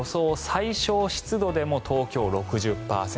最小湿度でも東京、６０％